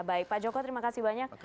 baik pak joko terima kasih banyak